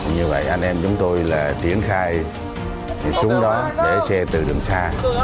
như vậy anh em chúng tôi là triển khai xuống đó để xe từ đường xa